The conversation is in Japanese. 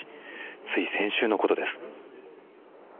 つい先週のことです。